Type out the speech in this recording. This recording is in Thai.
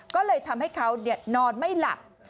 ก็เลยทำให้เขานอนไม่หลับ